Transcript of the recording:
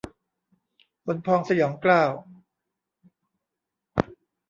ขนพองสยองเกล้า